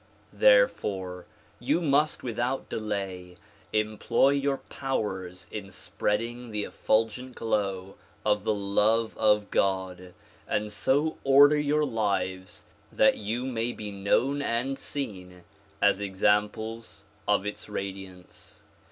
Therefore you must without delay employ your powers in spreading the effulgent glow of the love of God and so order your lives that you may be known and seen as examples of its radiance.